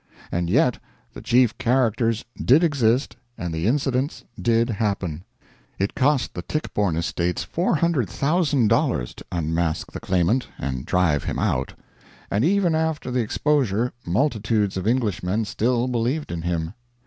And yet the chief characters did exist, and the incidents did happen. It cost the Tichborne estates $400,000 to unmask the Claimant and drive him out; and even after the exposure multitudes of Englishmen still believed in him.